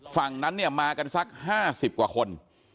ฝั่งนั้นมากันสัก๕๐กว่าคน